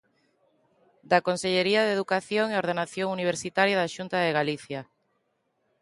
Da Consellería de Educación e Ordenación Universitaria da Xunta de Galicia.